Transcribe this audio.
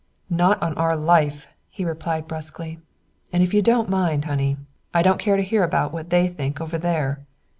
"Not on our life!" he replied brusquely. "And if you don't mind, honey, I don't care to hear about what they think over there."